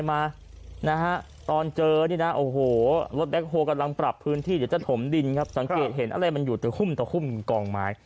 มันคุ้มรองกองไม้